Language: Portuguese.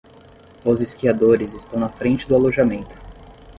Os esquiadores estão na frente do alojamento.